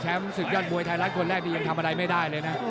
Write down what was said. แชมป์สุดยอดมวยไทยรัตน์คนแรกก็ยังทำอะไรไม่ได้เลยนะ